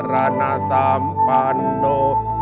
โปรดติดตามต่อไป